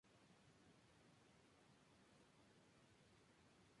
Su infancia y su etapa educacional transcurrieron con normalidad.